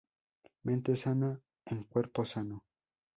Mente sana en cuerpo sano